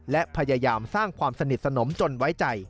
และพยายามสร้างความสนิทสนมจนไว้ใจ